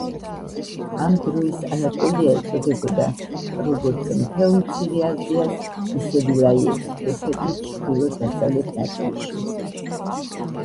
ამ დროის ანატოლია ეწოდებოდა, როგორც მთელ მცირე აზიას, ისე ვილაიეთს თურქეთის ჩრდილო-დასავლეთ ნაწილში.